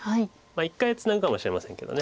一回ツナぐかもしれませんけど。